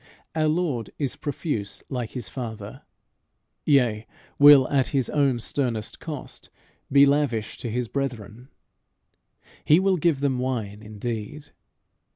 Our Lord is profuse like his Father, yea, will, at his own sternest cost, be lavish to his brethren. He will give them wine indeed.